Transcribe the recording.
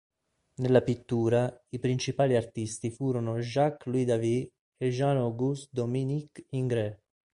Nella pittura, i principali artisti furono Jacques-Louis David e Jean Auguste Dominique Ingres.